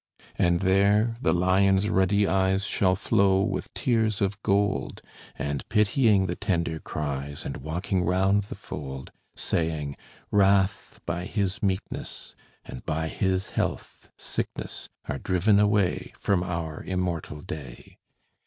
And there the lion's ruddy eyes Shall flow with tears of gold; And pitying the tender cries, And walking round the fold, Saying, "Wrath by His meekness, And by His health, sickness, Are driven away From our immortal day.